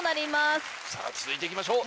続いていきましょう！